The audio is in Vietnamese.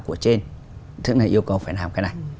của trên thế này yêu cầu phải làm cái này